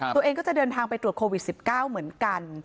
ตัวเองก็จะเดินทางไปตรวจโควิด๑๙เหมือนกัน